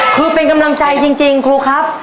คือเป็นกำลังใจจริงครูครับ